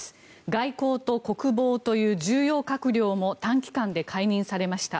外交と国防という重要閣僚も短期間で解任されました。